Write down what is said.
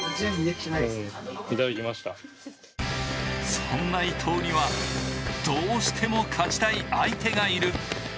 そんなと伊藤にはどうしても勝ちたい相手がいる。